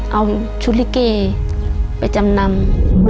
เอาชุดลิเกไปจำนำ